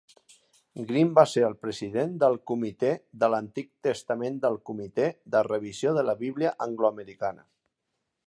Green va ser president del comitè de l'Antic Testament del comitè de revisió de la Bíblia angloamericana.